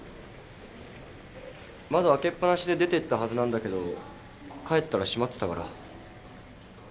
窓開けっ放しで出てったはずなんだけど帰ったら閉まってたから。